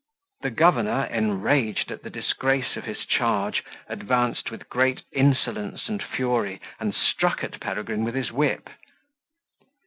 The governor, enraged at the disgrace of his charge, advanced with great insolence and fury, and struck at Peregrine with his whip.